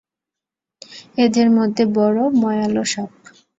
এদের মধ্যে বড় ময়াল সাপ।